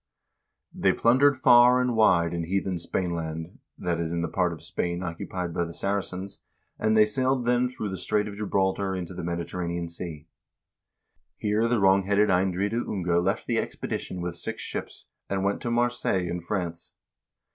"They plundered far and wide in heathen Spainland," that is in the part of Spain occupied by the Saracens, and they sailed then through the Strait of Gibraltar into the Mediterranean Sea. Here the wrongheaded Eindride Unge left the expedition with six ships, and went to Marseilles in France.